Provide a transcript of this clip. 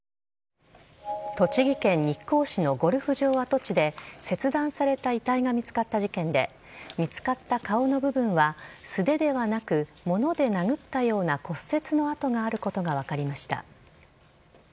栃木県日光市のゴルフ場跡地で切断された遺体が見つかった事件で見つかった顔の部分は素手ではなく物で殴ったような骨折の痕があることが分かりました。